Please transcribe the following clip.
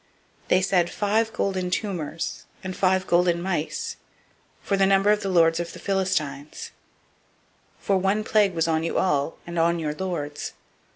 They said, "Five golden tumors, and five golden mice, [according to] the number of the lords of the Philistines; for one plague was on you all, and on your lords.